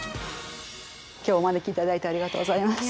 今日はお招きいただいてありがとうございます。